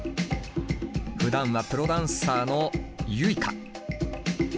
ふだんはプロダンサーのＹｕｉｋａ。